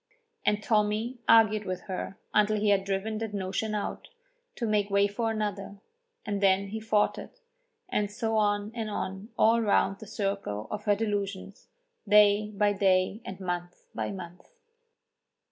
And Tommy argued with her until he had driven that notion out, to make way for another, and then he fought it, and so on and on all round the circle of her delusions, day by day and month by month.